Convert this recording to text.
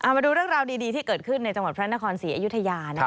มาดูเรื่องราวดีที่เกิดขึ้นในจังหวัดพระนครศรีอยุธยา